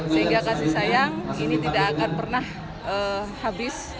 sehingga kasih sayang ini tidak akan pernah habis